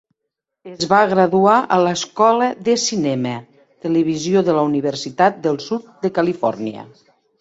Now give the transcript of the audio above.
Es va graduar a l'Escola de Cinema-Televisió de la Universitat del Sud de Califòrnia.